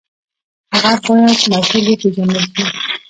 هغه باید مسوول وپېژندل شي.